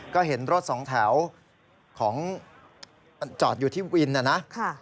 ก็เห็นรถสองแถวของจอดอยู่ที่วินนะนะ